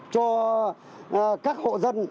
cho các hộ dân